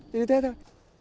thế là thế thôi